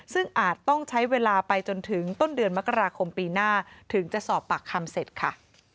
ซึ่งอาจต้องใช้เวลาไปจนถึงต้นเดือนมกราคมปีหน้าถึงจะสอบปากคำเสร็จค่ะ